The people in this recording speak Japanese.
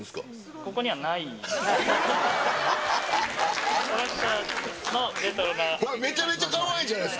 ここにはないです。